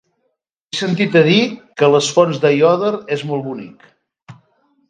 He sentit a dir que les Fonts d'Aiòder és molt bonic.